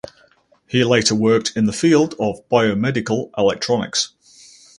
He later worked in the field of biomedical electronics.